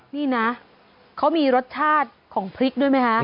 นี่นะเขามีรสชาติของพริกด้วยไหมคะ